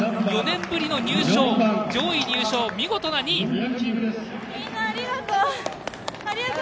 ４年ぶりの上位入賞、見事な２位。